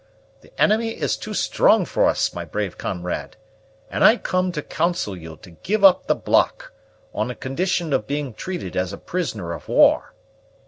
The enemy is too strong for us, my brave comrade, and I come to counsel you to give up the block, on condition of being treated as a prisoner of war."